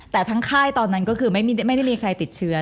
แต่ทั้งค่ายตอนนั้นก็คือไม่ได้มีใครติดเชื้อ